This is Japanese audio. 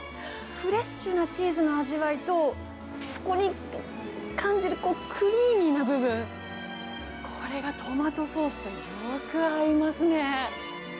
フレッシュなチーズの味わいと、そこに感じるクリーミーな部分、これがトマトソースとよく合いますね。